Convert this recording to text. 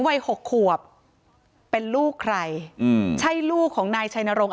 หกขวบเป็นลูกใครอืมใช่ลูกของนายชัยนรงค